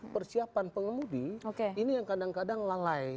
persiapan pengemudi ini yang kadang kadang lalai